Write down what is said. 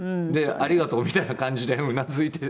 ありがとうみたいな感じでうなずいて。